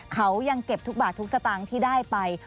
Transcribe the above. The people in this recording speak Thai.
เขายังเก็บทุกบาททุกสตางค์ที่ได้ไป